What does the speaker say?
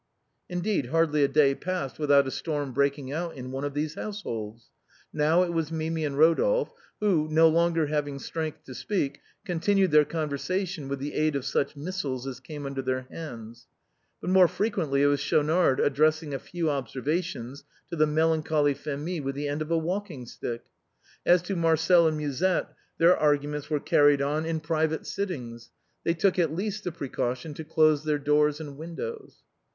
Indeed, hardly a day passed without a storm breaking out in one of these households. Now it was Mimi and Ro dolphe who, no longer liaving strength to speak, continued their conversation with the aid of such missiles as came under their hands. But more frequently it was Schaunard addressing a few observations to the melancholy Phémie with the end of a walking stick. As to Marcel and Musette, their arguments were carried on in private sittings; they took at least the precaution to close their doors and win dows.